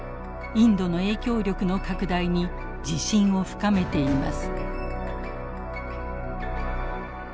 インドの影響力の拡大に自信を深めています。